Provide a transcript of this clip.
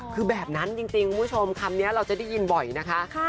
คือแบบนั้นจริงคุณผู้ชมคำนี้เราจะได้ยินบ่อยนะคะ